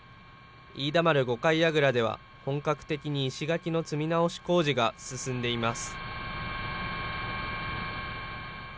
飯田丸五階櫓では、本格的に石垣の積み直し工事が進んでいます。